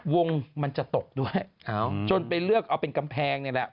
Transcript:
วงมันจะตกด้วยจนไปเลือกเอาเป็นกำแพงนี่แหละ